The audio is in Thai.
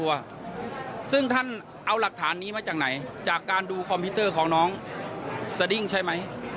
วันนี้มาจากไหนจากการดูคอมพิวเตอร์ของน้องสดิ้งใช่ไหม